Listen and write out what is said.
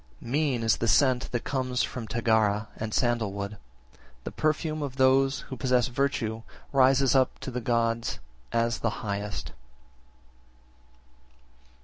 56. Mean is the scent that comes from Tagara and sandal wood; the perfume of those who possess virtue rises up to the gods as the highest.